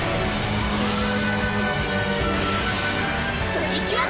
プリキュア！